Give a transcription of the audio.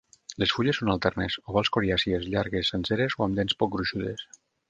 Les fulles són alternes, ovals coriàcies, llargues, senceres o amb dents poc gruixudes.